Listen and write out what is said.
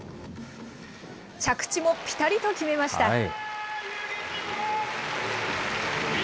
着地もぴたりと決めました。